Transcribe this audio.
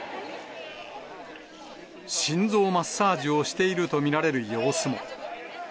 心臓マッサージをしていると見られる様子も。